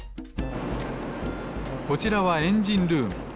こちらはエンジンルーム。